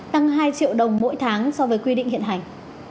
tăng hai triệu đồng mỗi tháng so với quy định hiện hành